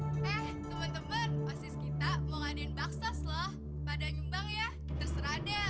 eh teman teman mahasiswa kita mau ngadain baksas loh pada nyumbang ya terserah deh